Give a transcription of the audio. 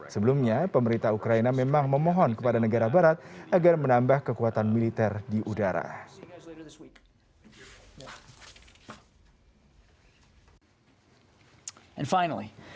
sebelumnya pemerintah ukraina memang memohon kepada negara barat agar menambah kekuatan militer di udara